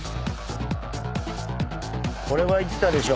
これはいったでしょ。